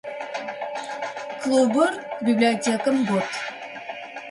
Клубыр библиотэкэм гот.